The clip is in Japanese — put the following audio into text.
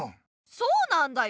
そうなんだよ。